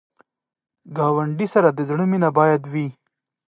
ګاونډي سره د زړه مینه باید وي